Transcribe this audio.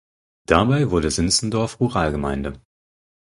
Dabei wurde Sinzendorf Ruralgemeinde.